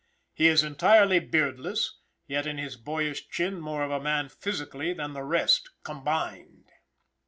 He is entirely beardless, yet in his boyish chin more of a man physically than the rest, combined.